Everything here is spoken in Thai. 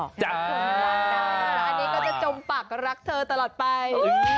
อันนี้ก็จะจมปักรักเธอตลอดไป